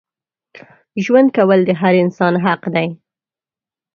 ژوند کول د هر انسان حق دی.